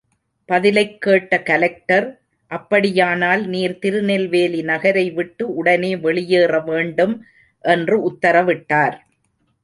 பதிலைக் கேட்ட கலெக்டர், அப்படியானால், நீர் திருநெல்வேலி நகரை விட்டு உடனே வெளியேற வேண்டும் என்று உத்தரவிட்டார்.